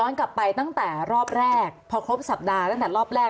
กลับไปตั้งแต่รอบแรกพอครบสัปดาห์ตั้งแต่รอบแรก